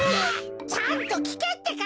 ちゃんときけってか！